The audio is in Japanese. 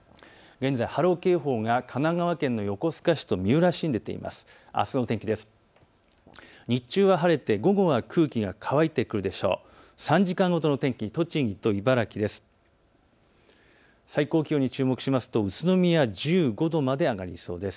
現在、波浪警報が神奈川県の横須賀市と三浦市に出ています。